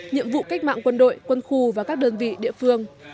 nhiệm vụ cách mạng quân đội quân khu và các đơn vị địa phương